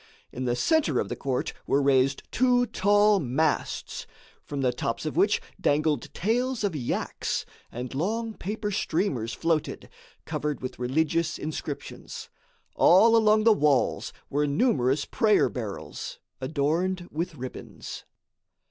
In the centre of the court were raised two tall masts, from the tops of which dangled tails of yaks, and long paper streamers floated, covered with religious inscriptions. All along the walls were numerous prayer barrels, adorned with ribbons.